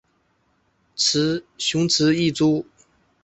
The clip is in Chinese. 雄雌异株。